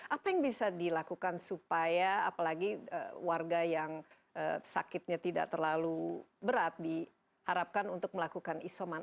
apa yang bisa dilakukan supaya apalagi warga yang sakitnya tidak terlalu berat diharapkan untuk melakukan isoman